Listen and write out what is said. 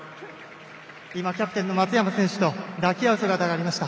キャプテンの松山選手と抱き合う姿がありました。